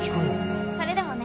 それでもね。